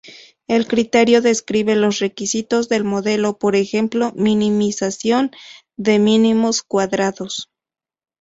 El criterio describe los requisitos del modelo, por ejemplo minimización de Mínimos cuadrados.